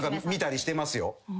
見たりしてますよ。